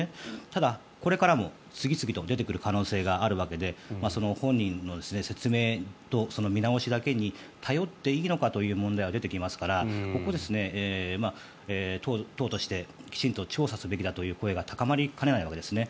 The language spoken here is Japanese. ただ、これからも次々と出てくる可能性があるわけで本人の説明と見直しだけに頼っていいのかという問題は出てきますからここ、党としてきちんと調査すべきだという声が高まりかねないわけですね。